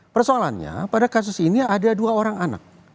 persoalannya pada kasus ini ada dua orang anak